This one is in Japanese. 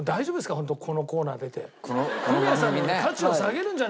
ホントこのコーナー出て。